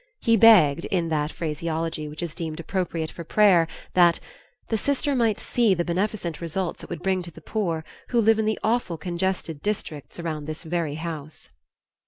He begged, in that phraseology which is deemed appropriate for prayer, that "the sister might see the beneficent results it would bring to the poor who live in the awful congested districts around this very house."